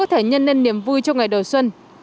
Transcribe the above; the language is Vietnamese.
nó có thể nhân nên niềm vui cho ngày đầu xuân